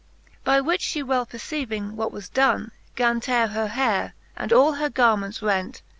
By which fhe well perceiving what was .done, Gan teare her hayre, and all her garments rent.